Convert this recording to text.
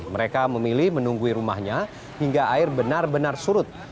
mereka memilih menunggui rumahnya hingga air benar benar surut